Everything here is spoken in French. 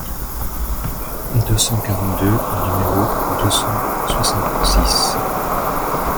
deux cent quarante-deux, nº deux cent soixante-six).